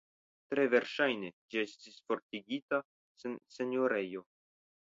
Tre verŝajne ĝi estis fortikigita senjorejo.